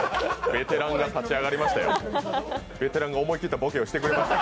ベテランが立ち上がりましたよ、ベテランが思い切ったボケをしてくれました。